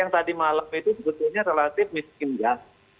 yang tadi malam itu sebetulnya relatif miskin ya